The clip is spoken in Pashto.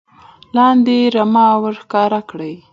لاندې رمه ور ښکاره کړي